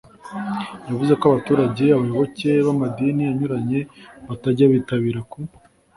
yavuze ko abaturage, abayoboke b’amadini anyuranye batajya bitabira ku